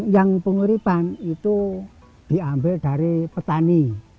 yang penguripan itu diambil dari petani